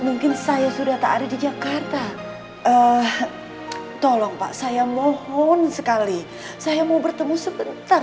mungkin saya sudah tak ada di jakarta eh tolong pak saya mohon sekali saya mau bertemu sebentar